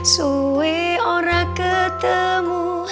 suwi ora ketemu